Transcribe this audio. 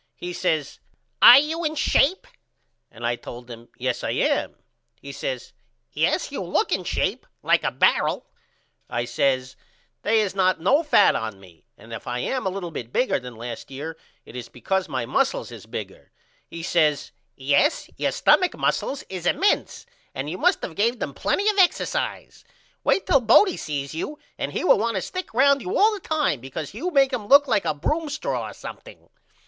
He says Are you in shape? And I told him Yes I am. He says Yes you look in shape like a barrel. I says They is not no fat on me and if I am a little bit bigger than last year it is because my mussels is bigger. He says Yes your stumach mussels is emense and you must of gave them plenty of exercise. Wait till Bodie sees you and he will want to stick round you all the time because you make him look like a broom straw or something.